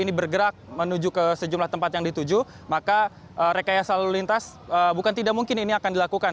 ini bergerak menuju ke sejumlah tempat yang dituju maka rekayasa lalu lintas bukan tidak mungkin ini akan dilakukan